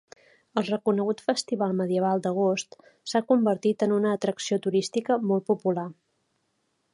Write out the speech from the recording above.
El reconegut Festival Medieval d'Agost s'ha convertit en una atracció turística molt popular.